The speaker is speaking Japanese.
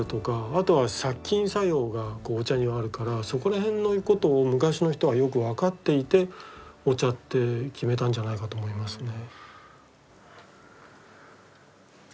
あとは殺菌作用がお茶にはあるからそこらへんのことを昔の人はよく分かっていてお茶って決めたんじゃないかと思いますね。